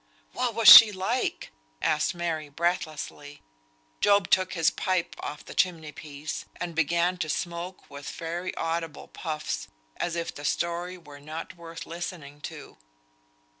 "What was she like?" asked Mary, breathlessly. Job took his pipe off the chimney piece and began to smoke with very audible puffs, as if the story were not worth listening to.